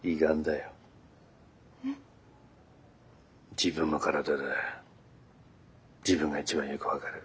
自分の体だ自分が一番よく分かる。